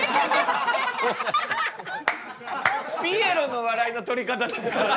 ピエロの笑いの取り方ですからね